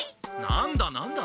何だ何だ？